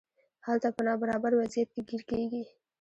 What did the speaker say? هلته په نابرابر وضعیت کې ګیر کیږي.